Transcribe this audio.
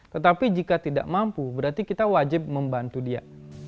tetapi jika tidak mampu berarti kita wajib membantu dia